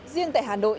riêng tại hà nội